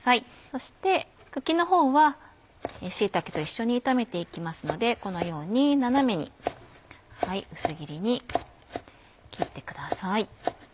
そして茎の方は椎茸と一緒に炒めていきますのでこのように斜めに薄切りに切ってください。